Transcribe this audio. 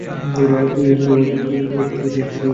কহিলেন, বউমা, তুমি শীঘ্র খাইয়া এসো।